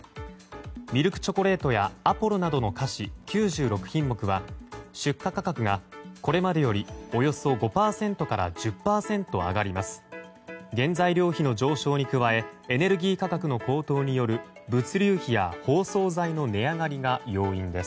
ミルクチョコレートやアポロなどの菓子９６品目は出荷価格が、これまでよりおよそ５％から１０％上がります。